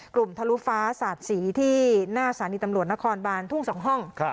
กลุ่มทะลุฟ้าศาสตรีที่หน้าสารณีตำรวจนครบานทุ่ง๒ห้อง